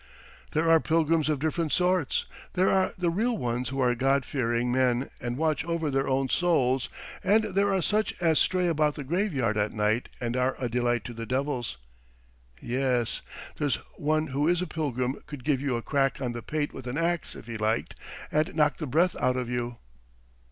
"There are pilgrims of different sorts. There are the real ones who are God fearing men and watch over their own souls, and there are such as stray about the graveyard at night and are a delight to the devils. .. Ye es! There's one who is a pilgrim could give you a crack on the pate with an axe if he liked and knock the breath out of you."